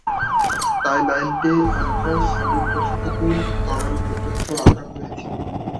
টাই লাইনটি alpha solid দশা থেকে থেকে তরল পর্যন্ত আঁকা হয়েছে।